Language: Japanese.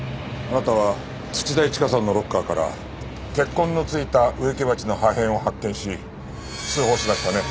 あなたは土田一花さんのロッカーから血痕の付いた植木鉢の破片を発見し通報しましたね？